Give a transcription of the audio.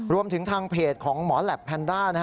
รวมถึงทางเพจของหมอแหลปแพนด้า